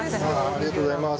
ありがとうございます。